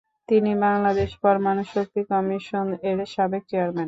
তিনি বাংলাদেশ পরমাণু শক্তি কমিশন এর সাবেক চেয়ারম্যান।